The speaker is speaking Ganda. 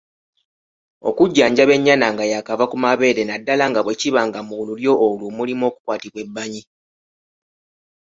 Okujjanjaba ennyana nga yaakava ku mabeere naddala bwe kiba nga mu lulyo olwo mulimu okukwatibwa ebbanyi.